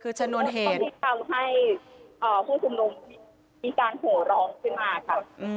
คือชนวนเหตุที่ทำให้ผู้ชุมนุมมีการโหร้องขึ้นมาค่ะ